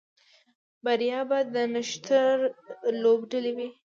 بریا به د نښتر لوبډلې وي